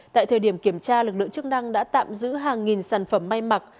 tại thời điểm kiểm tra lực lượng chức năng đã tạm giữ hàng nghìn sản phẩm may mặc